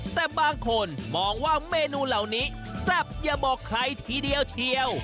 แต่บางคนมองว่าเมนูเหล่านี้แซ่บอย่าบอกใครทีเดียวเทียว